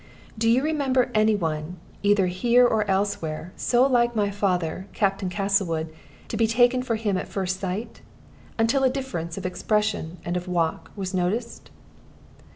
Do you remember any one, either here or elsewhere, so like my father, Captain Castlewood, as to be taken for him at first sight, until a difference of expression and of walk was noticed?"